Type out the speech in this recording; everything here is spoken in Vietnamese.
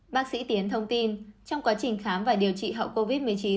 bác sĩ tiến thông tin trong quá trình khám và điều trị hậu covid một mươi chín